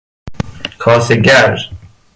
کاسه گر